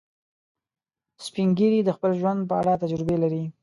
سپین ږیری د خپل ژوند په اړه تجربې لري